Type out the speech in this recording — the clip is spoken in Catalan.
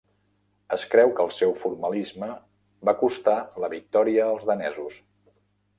Es creu que el seu formalisme va costar la victòria als danesos.